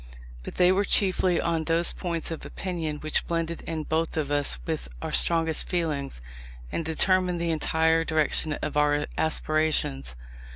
But they were chiefly on those points of opinion which blended in both of us with our strongest feelings, and determined the entire direction of our aspirations.